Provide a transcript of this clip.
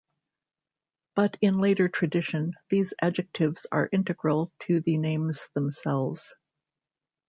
But in later tradition, these adjectives are integral to the names themselves.